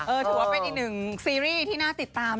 ถือว่าเป็นอีกหนึ่งซีรีส์ที่น่าติดตาม